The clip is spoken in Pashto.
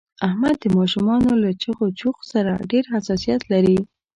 احمد د ماشومانو له چغ چوغ سره ډېر حساسیت لري.